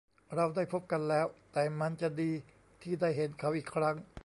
เราได้พบกันแล้ว แต่มันจะดีที่ได้เห็นเขาอีกครั้ง